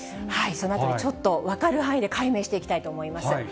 そのあたり、ちょっと分かる範囲で解明していきたいと思います。